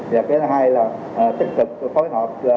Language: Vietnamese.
cái thứ hai là tích cực phối hợp